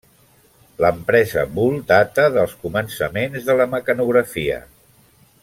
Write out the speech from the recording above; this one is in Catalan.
L'empresa Bull data dels començaments de la mecanografia.